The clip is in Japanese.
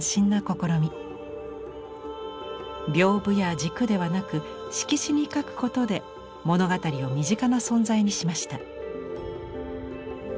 屏風や軸ではなく色紙に描くことで物語を身近な存在にしました。